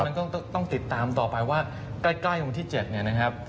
เพราะฉะนั้นก็ต้องติดตามต่อไปว่าใกล้วันที่เจ็ดเนี่ยนะครับ